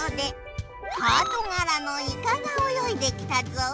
ハートがらのイカがおよいできたぞ。